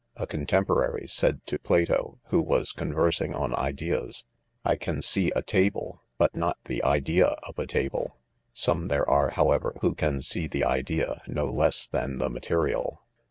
A contemporary said to Plato, who Was conversing on ideas, " I can see a iabh s but not the idea, of a table. 5 * Some there are, however^ who can see; the idea, no less than the material.